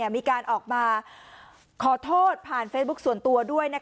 มีการออกมาขอโทษผ่านเฟซบุ๊คส่วนตัวด้วย